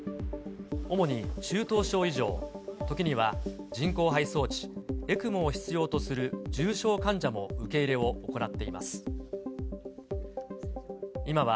主に中等症以上、時には人工肺装置・ＥＣＭＯを必要とする重症患者も受け入れを行っています。